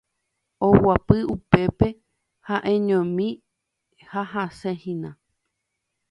Oguapy upépe ha'eñomi ha hasẽhína.